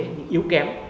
những yếu kém